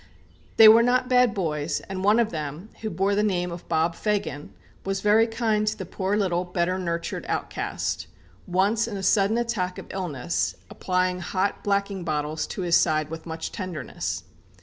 They were not bad boys, and one of them, who bore the name of Bob Fagin, was very kind to the poor little better nurtured outcast, once, in a sudden attack of illness, applying hot blacking bottles to his side with much tenderness.